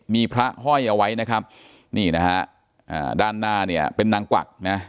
มีพระห้อยเอาไว้นะครับนี่นะฮะด้านหน้าเนี่ยเป็นนางกวักนะ